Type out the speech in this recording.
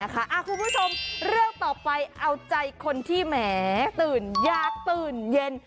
คุณผู้ชมเรื่องต่อไปเอาใจคนที่แหมตื่นอยากตื่นเย็น